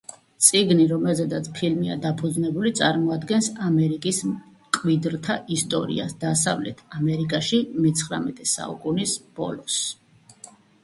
წიგნი, რომელზედაც ფილმია დაფუძნებული, წარმოადგენს ამერიკის მკვიდრთა ისტორიას დასავლეთ ამერიკაში მეცხრამეტე საუკუნის ბოლოს.